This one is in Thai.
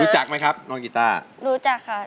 รู้จักมั้ยครับมองกีต้ารู้จักครับ